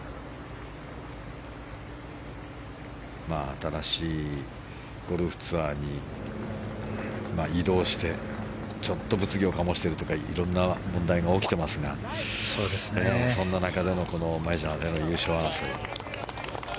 新しいゴルフツアーに移動してちょっと物議を醸してるとかいろんな問題が起きていますがそんな中でのメジャーでの優勝争い。